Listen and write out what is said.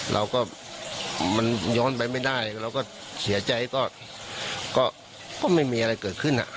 เราก็มันย้อนไปไม่ได้เราก็เสียใจก็ไม่มีอะไรเกิดขึ้น